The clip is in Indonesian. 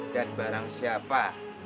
dan barang siapa